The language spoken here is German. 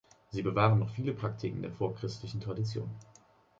Sie bewahren noch viele Praktiken der vorchristlichen Tradition.